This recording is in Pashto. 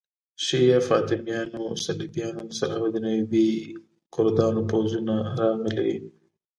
شیعه فاطمیانو، صلیبیانو، د صلاح الدین ایوبي کردانو پوځونه راغلي.